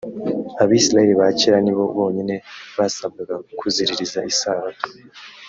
abisirayeli ba kera ni bo bonyine basabwaga kuziririza isabato